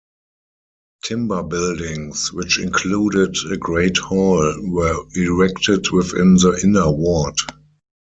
Timber buildings, which included a great hall, were erected within the inner ward.